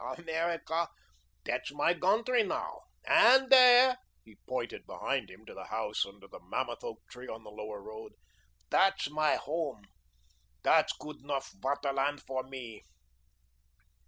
Eh? Emerica, dat's my gountry now, und dere," he pointed behind him to the house under the mammoth oak tree on the Lower Road, "dat's my home. Dat's goot enough Vaterland for me."